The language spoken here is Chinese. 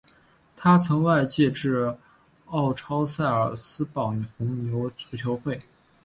他曾外借至奥超萨尔斯堡红牛足球会。